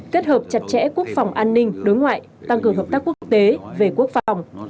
kết hợp chặt chẽ quốc phòng an ninh đối ngoại tăng cường hợp tác quốc tế về quốc phòng